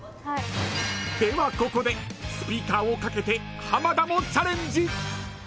ではここでスピーカーをかけて浜田もチャレンジ］